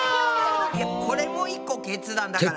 いやこれも１個決断だから。